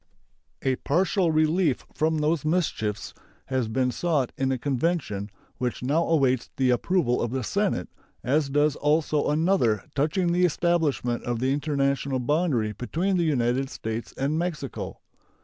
A partial relief from these mischiefs has been sought in a convention, which now awaits the approval of the Senate, as does also another touching the establishment of the international boundary between the United States and Mexico.